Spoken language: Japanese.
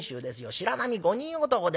『白浪五人男』ですよ。